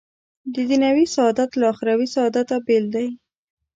دنیوي سعادت له اخروي سعادته بېل دی.